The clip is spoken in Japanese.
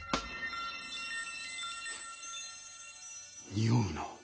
におうな。